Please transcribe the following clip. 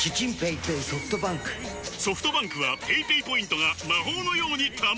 ソフトバンクはペイペイポイントが魔法のように貯まる！